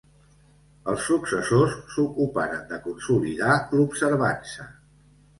Els successors s'ocuparen de consolidar l'Observança.